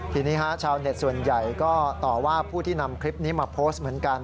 ทีนี้ชาวเน็ตส่วนใหญ่ก็ต่อว่าผู้ที่นำคลิปนี้มาโพสต์เหมือนกัน